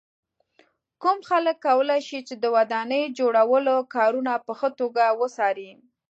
کوم خلک کولای شي د ودانۍ جوړولو کارونه په ښه توګه وڅاري.